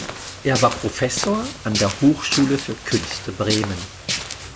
Er war Professor an der Hochschule für Künste Bremen.